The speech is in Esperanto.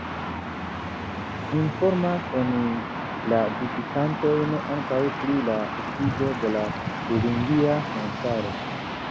Informas oni la vizitantojn ankaŭ pri la estiĝo de la turingia montaro.